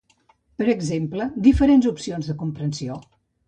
Per exemple: diferents opcions de compressió.